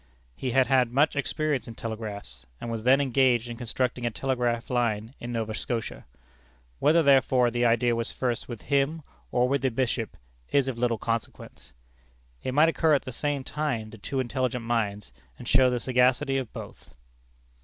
He had had much experience in telegraphs, and was then engaged in constructing a telegraph line in Nova Scotia. Whether, therefore, the idea was first with him or with the bishop, is of little consequence. It might occur at the same time to two intelligent minds, and show the sagacity of both.